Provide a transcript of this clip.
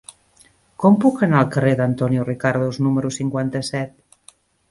Com puc anar al carrer d'Antonio Ricardos número cinquanta-set?